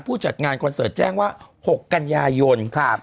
ผู้จัดงานคอนเสิร์ตแจ้งว่าหกกัญญายนครับ